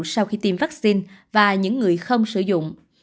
sau khi tiêm vaccine và những người không sử dụng